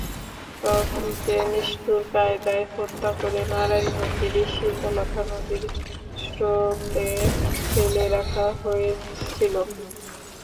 ত্বকীকে নিষ্ঠুর কায়দায় হত্যা করে নারায়ণগঞ্জেরই শীতলক্ষ্যা নদীর সোঁতায় ফেলে রাখা হয়েছিল।